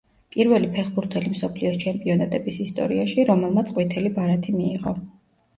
პირველი ფეხბურთელი მსოფლიოს ჩემპიონატების ისტორიაში, რომელმაც ყვითელი ბარათი მიიღო.